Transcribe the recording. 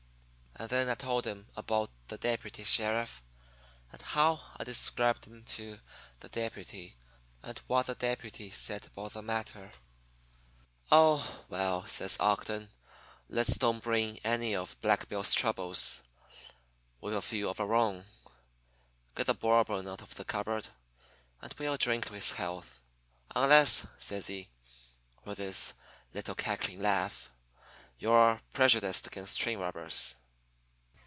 And then I told him about the deputy sheriff, and how I'd described him to the deputy, and what the deputy said about the matter. "'Oh, well,' says Ogden, 'let's don't borrow any of Black Bill's troubles. We've a few of our own. Get the Bourbon out of the cupboard and we'll drink to his health unless,' says he, with his little cackling laugh, 'you're prejudiced against train robbers.'